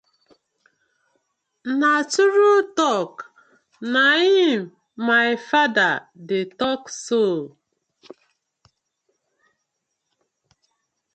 Na true talk na im my father de talk so.